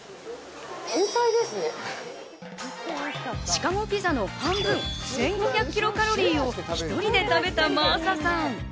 シカゴピザの半分、１５００キロカロリーを１人で食べた真麻さん。